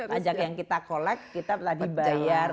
pajak yang kita collect kita telah dibayar